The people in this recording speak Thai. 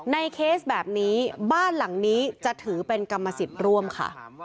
เคสแบบนี้บ้านหลังนี้จะถือเป็นกรรมสิทธิ์ร่วมค่ะ